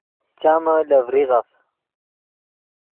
چامے لے ڤریغف